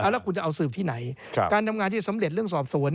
แล้วคุณจะเอาสืบที่ไหนการทำงานที่สำเร็จเรื่องสอบสวน